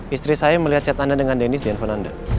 istri saya melihat chat anda dengan dennis di handphone anda